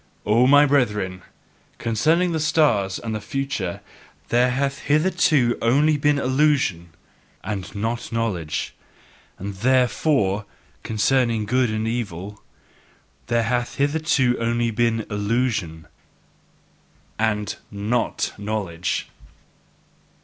O my brethren, concerning the stars and the future there hath hitherto been only illusion, and not knowledge; and THEREFORE concerning good and evil there hath hitherto been only illusion and not knowledge!